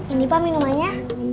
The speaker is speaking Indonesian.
ini pak minumannya